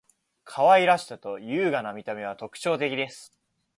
可愛らしさと優雅な見た目は特徴的です．